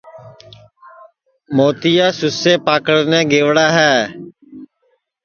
موتِیا سُسئے پکڑنے گئوڑا ہے